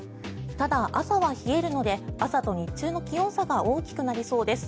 ただ、朝は冷えるので朝と日中の気温差が大きくなりそうです。